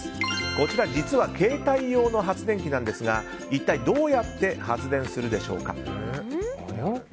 こちら、実は携帯用の発電機なんですが一体どうやって発電するのでしょうか。